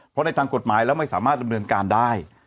เพราะในทางกฎหมายแล้วไม่สามารถดำเนินการได้